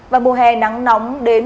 và mùa hè nắng nóng đến